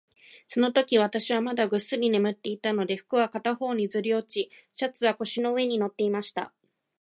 そのとき、私はまだぐっすり眠っていたので、服は片方にずり落ち、シャツは腰の上に載っていました。